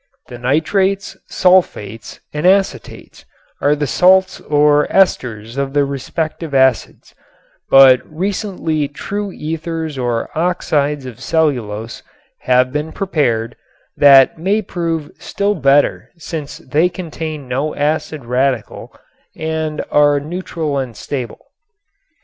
The nitrates, sulfates and acetates are the salts or esters of the respective acids, but recently true ethers or oxides of cellulose have been prepared that may prove still better since they contain no acid radicle and are neutral and stable.